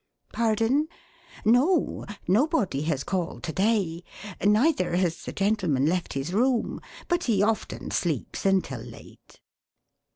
Pardon? No, nobody has called to day, neither has the gentleman left his room. But he often sleeps until late."